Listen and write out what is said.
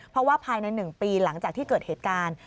เพราะว่าภายใน๑ปีหลังจากที่เกิดเหตุการณ์